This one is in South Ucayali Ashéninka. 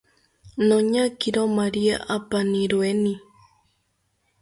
Noñakiro maria apaniroeni